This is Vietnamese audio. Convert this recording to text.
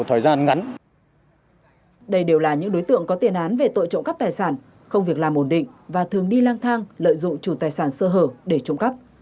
các đối tượng có tiền án về tội trộm cắp tài sản không việc làm ổn định và thường đi lang thang lợi dụng chủ tài sản sơ hở để trộm cắp